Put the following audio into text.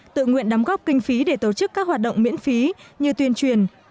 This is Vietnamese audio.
tự nguyện đóng góp kinh phí để tổ chức các hoạt động miễn phí như tuyên truyền